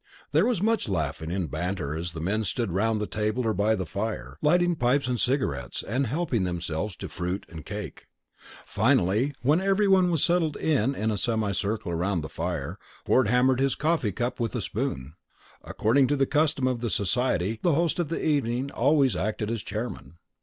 There was much laughing and banter as the men stood round the table or by the fire, lighting pipes and cigarettes, and helping themselves to fruit and cake. Finally, when everyone was settled in a semicircle round the fire, Forbes hammered his coffee cup with a spoon. According to the custom of the society the host of the evening always acted as chairman.